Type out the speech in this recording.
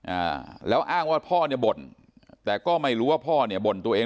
อ่าแล้วอ้างว่าพ่อเนี่ยบ่นแต่ก็ไม่รู้ว่าพ่อเนี่ยบ่นตัวเอง